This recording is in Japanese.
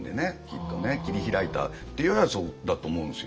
きっとね切り開いたっていうのはそこだと思うんですよね。